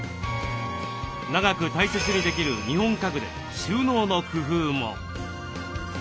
長く大切にできる日本家具で収納の工夫も。